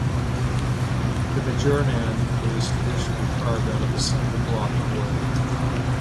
The mejorana is traditionally carved out of a single block of wood.